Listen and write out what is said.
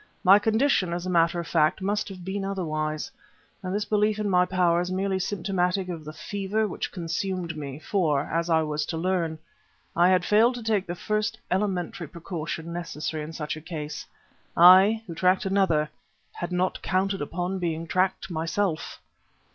My condition, as a matter of fact, must have been otherwise, and this belief in my powers merely symptomatic of the fever which consumed me; for, as I was to learn, I had failed to take the first elementary precaution necessary in such case. I, who tracked another, had not counted upon being tracked myself!